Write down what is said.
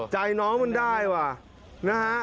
ใจน้องมันได้ว่ะนะฮะ